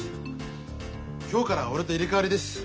今日から俺と入れ代わりです。